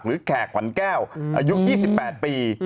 หรือแขกขวันแก้วอายุ๒๘ปี